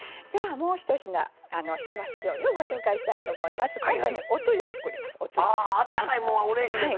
もうひと品、いわし料理をご紹介したいと思います。